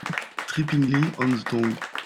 Trippingly on the tongue